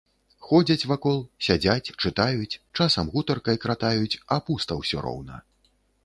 Ходзяць вакол, сядзяць, чытаюць, часам гутаркай кратаюць, а пуста ўсё роўна.